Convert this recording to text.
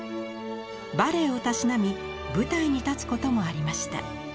バレエをたしなみ舞台に立つこともありました。